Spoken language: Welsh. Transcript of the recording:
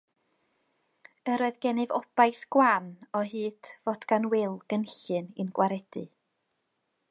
Yr oedd gennyf obaith gwan o hyd fod gan Wil gynllun i'n gwaredu.